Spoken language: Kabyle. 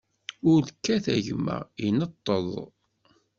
Ur kkat, a gma, ineṭṭeḍ.